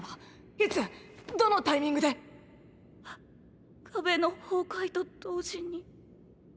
いつ⁉どのタイミングで⁉壁の崩壊と同時に。！！